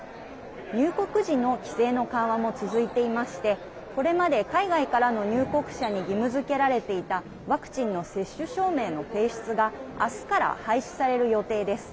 入国時の規制の緩和も続いていましてこれまで海外からの入国者に義務づけられていたワクチンの接種証明の提出があすから廃止される予定です。